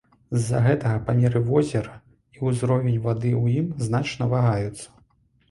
З-за гэтага памеры возера і ўзровень вады ў ім значна вагаюцца.